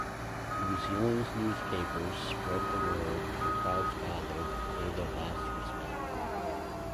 New Zealand's newspapers spread the word and crowds gathered to pay their last respects.